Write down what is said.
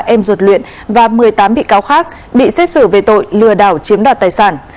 em ruột luyện và một mươi tám bị cáo khác bị xét xử về tội lừa đảo chiếm đoạt tài sản